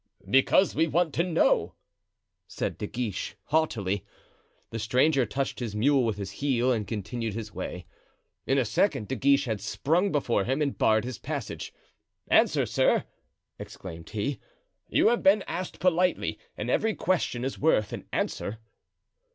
"Because we want to know," said De Guiche, haughtily. The stranger touched his mule with his heel and continued his way. In a second De Guiche had sprung before him and barred his passage. "Answer, sir," exclaimed he; "you have been asked politely, and every question is worth an answer."